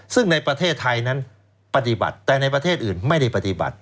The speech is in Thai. ซึ่งในประเทศไทยนั้นปฏิบัติแต่ในประเทศอื่นไม่ได้ปฏิบัติ